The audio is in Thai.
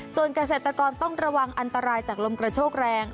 ส่วนเกษตรกรต้องระวังอันตรายจากลมกระโชกแรง